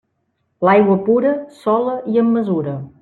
L'aigua pura, sola i amb mesura.